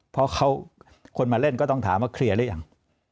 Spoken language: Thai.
เพราะคนมาเล่นก็ต้องถามว่าเคลียร์หรือยัง